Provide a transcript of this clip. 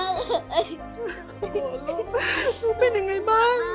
โหลลูกลูกเป็นยังไงบ้าง